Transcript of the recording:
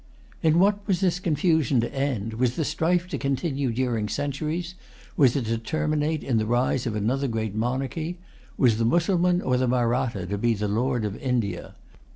In what was this confusion to end? Was the strife to continue during centuries? Was it to terminate in the rise of another great monarchy? Was the Mussulman or the Mahratta to be the Lord of India?